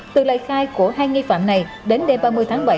từ lời khai của hai nghi phạm này đến đêm ba mươi tháng bảy